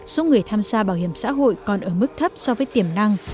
số người tham gia bảo hiểm xã hội còn ở mức thấp so với tiềm năng